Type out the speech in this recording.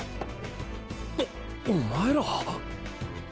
おお前ら。